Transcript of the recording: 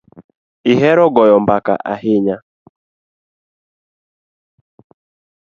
Ihero goyo mbaka ahinya